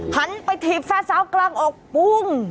หันไปทีฟ้าเศร้ากลางอกปุ้ง